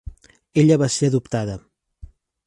Ella va ser adoptada.